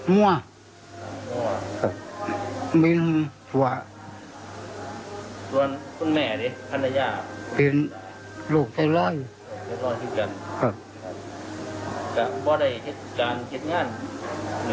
ครับแต่ไม่ได้เห็นการเก็ดงานนักบร้อยที่สรรค์ไม่ได้หรอกเห็นบร้อยทาย